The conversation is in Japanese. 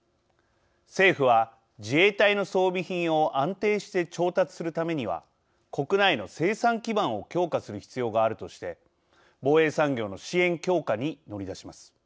政府は自衛隊の装備品を安定して調達するためには国内の生産基盤を強化する必要があるとして防衛産業の支援強化に乗り出します。